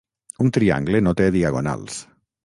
Un triangle no té diagonals.